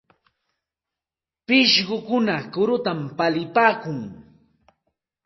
Pishqukuna kurutam palipaakun.